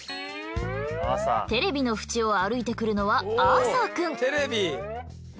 テレビの縁を歩いてくるのはアーサーくん。